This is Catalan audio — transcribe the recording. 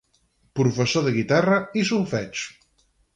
Professor de guitarra i solfeig.